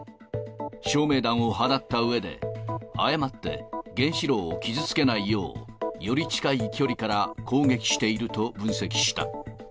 照明弾を放ったうえで、誤って原子炉を傷つけないよう、より近い距離から攻撃していると分析した。